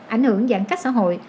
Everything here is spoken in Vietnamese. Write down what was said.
ảnh hưởng giãn cách xã hội